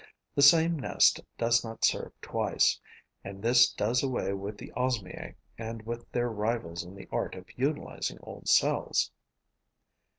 The same nest does not serve twice; and this does away with the Osmiae and with their rivals in the art of utilizing old cells.